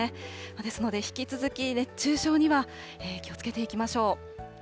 ですので、引き続き熱中症には気をつけていきましょう。